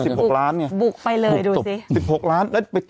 ตัวนี้ก็ไม่ได้